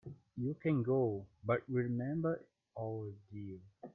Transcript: You can go, but remember our deal.